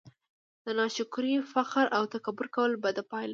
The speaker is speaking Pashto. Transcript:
دا د ناشکرۍ، فخر او تکبير کولو بده پايله ده!